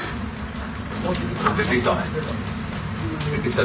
出てきた。